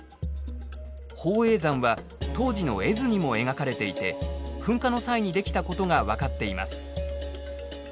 宝永山は当時の絵図にも描かれていて噴火の際にできたことが分かっています。